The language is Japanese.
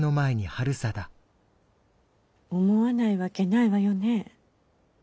思わないわけないわよね。